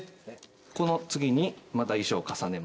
この次にまた衣装を重ねます。